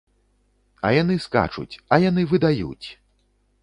А яны скачуць, а яны выдаюць!